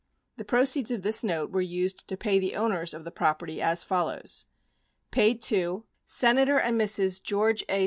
27 The proceeds of this note were used to pay the owners of the property as follows : Paid to : Amount Senator and Mrs. George A.